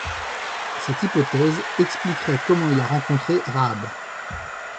Cette hypothèse expliquerait comment il a rencontré Rahab.